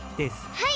はい！